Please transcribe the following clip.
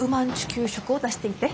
給食を出していて。